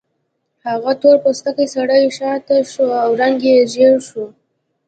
هغه تور پوستکی سړی شاته شو او رنګ یې ژیړ شو